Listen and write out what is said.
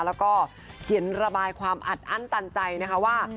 แล้วก็เขียนระบายความอัดอั้นตันใจนะคะว่า